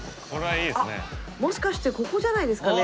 あっもしかしてここじゃないですかね？